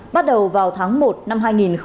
bắt đầu vào tháng một năm hai nghìn hai mươi